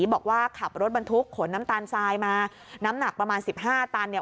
บอกว่าขับรถบรรทุกขนน้ำตาลทรายมาน้ำหนักประมาณสิบห้าตันเนี่ย